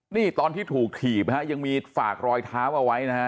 นี่ตอนที่ถูกถีบนะฮะยังมีฝากรอยเท้าเอาไว้นะฮะ